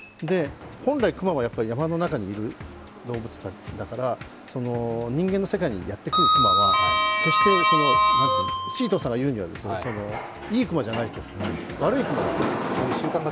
本来、熊は山の中にいる動物だから人間の世界にやってくる熊は決して、シートンさんが言うにはいい熊じゃないと、悪い熊だと。